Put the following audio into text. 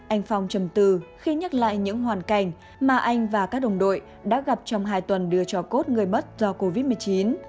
anh phong chầm từ khi nhắc lại những hoàn cảnh mà anh và các đồng đội đã gặp trong hai tuần đưa cho cốt người mất do covid một mươi chín